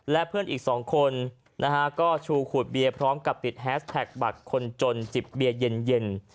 และเพื่อนอีก๒คนนะฮะก็ชูขวดเบียร์พร้อมกับติดแฮสแท็กบัตรคนจนจิบเบียร์เย็น